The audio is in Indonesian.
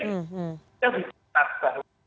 kita bisa mengetahui